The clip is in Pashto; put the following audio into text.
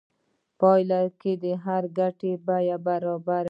په پایله کې به د ګټې بیه برابره شي